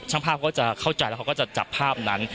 ช่างภาพก็จะเข้าใจแล้วที่เค้าจะจับภาพนั้น